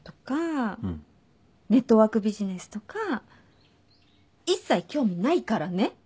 ネットワークビジネスとか一切興味ないからね。